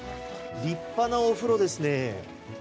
立派なお風呂ですね。